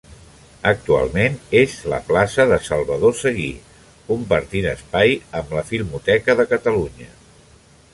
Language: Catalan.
Actualment és la plaça de Salvador Seguí, compartint espai amb la Filmoteca de Catalunya.